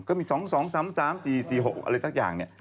ก็มี๒๒๓๓๔๔๖อะไรตักอย่าง